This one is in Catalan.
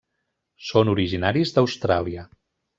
Són originaris d'Austràlia.